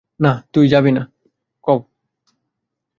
না, তুই যাবি না।